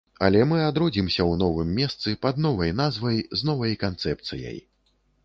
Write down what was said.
Але мы адродзімся ў новым месцы, пад новай назвай, з новай канцэпцыяй.